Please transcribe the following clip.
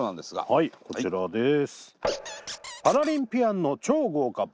はいこちらです。